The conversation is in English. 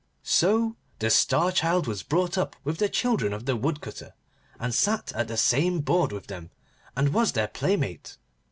So the Star Child was brought up with the children of the Woodcutter, and sat at the same board with them, and was their playmate.